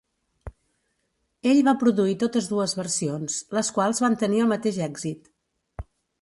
Ell va produir totes dues versions, les quals van tenir el mateix èxit.